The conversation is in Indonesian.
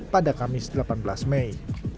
pada kamis delapan belas mei